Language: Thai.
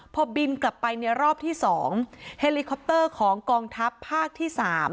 พอบินกลับไปในรอบที่๒เฮลิคอปเตอร์ของกองทัพภาคที่๓